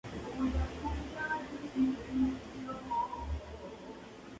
Ello tiene por efecto frenar considerablemente la corriente fluvial.